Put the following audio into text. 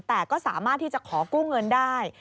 แต่ก็สามารถที่จะขอกู้เงินได้